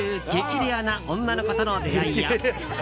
レアな女の子との出会いや。